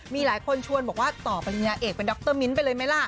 มีหลายคนชวนบอกว่าต่อปริญญาเอกเป็นดรมิ้นท์ไปเลยไหมล่ะ